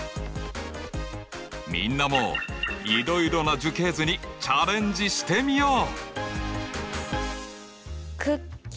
みんなもいろいろな樹形図にチャレンジしてみよう！